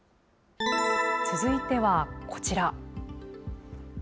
続いてはこちら。